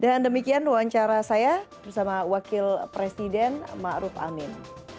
dan demikian wawancara saya bersama wakil presiden ma'ruf amin